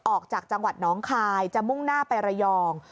ออกจากจังหวัดน้องคายจะมุ่งหน้าไประยอง